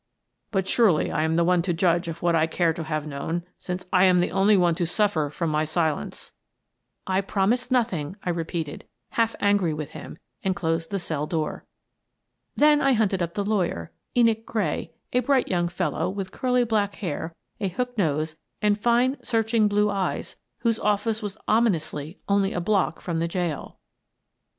" But surely I am the one to judge of what I care to have known, since I am the only one to suffer from my silence." " I promise nothing," I repeated, half angry with him, — and closed the cell door. Then I hunted up the lawyer: Enoch Gray, a bright young fellow, with curly black hair, a hook nose, and fine searching blue eyes, whose office was ominously only a block from the jail.